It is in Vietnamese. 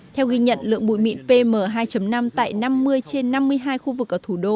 theo ghi nhận lượng bụi mịn pm hai năm tại năm mươi trên năm mươi hai khu vực ở thủ đô